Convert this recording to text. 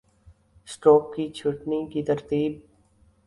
stroke کی چھٹنی کی ترتیب